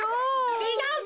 ちがうぞ。